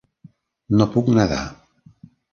No puc nedar.